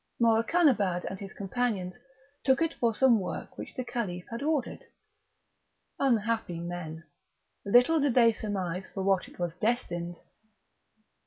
Morakanabad and his companions took it for some work which the Caliph had ordered; unhappy men! little did they surmise for what it was destined.